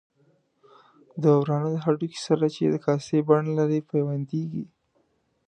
د ورانه د هډوکي سره چې د کاسې بڼه لري پیوندېږي.